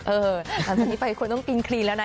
เออตอนนี้ไปควรต้องกินคลีนแล้วนะ